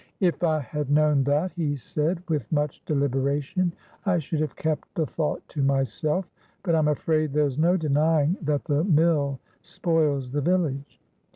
"If I had known that," he said, with much deliberation, "I should have kept the thought to myself. But I'm afraid there's no denying that the mill spoils the village."